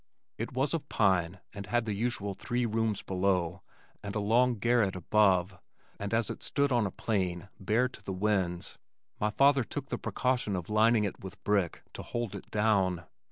It was of pine and had the usual three rooms below and a long garret above and as it stood on a plain, bare to the winds, my father took the precaution of lining it with brick to hold it down.